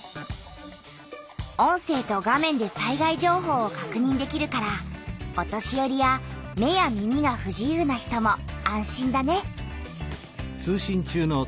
音声と画面で災害情報をかくにんできるからお年よりや目や耳がふ自由な人も安心だね。